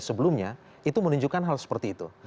sebelumnya itu menunjukkan hal seperti itu